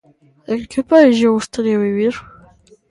En que país lle gustaría vivir?